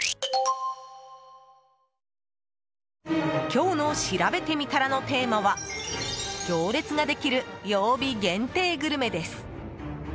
今日のしらべてみたらのテーマは行列ができる曜日限定グルメです。